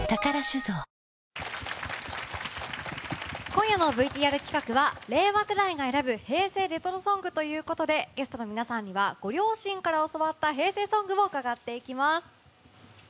今夜のＶＴＲ企画は令和世代が選ぶ平成レトロソングということでゲストの皆さんにはご両親から教わった平成ソングを伺っていきます。